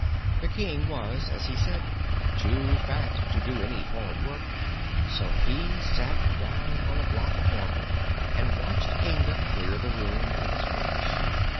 The King was, as he said, too fat to do any hard work, so he sat down on a block of marble and watched Inga clear the room of its rubbish.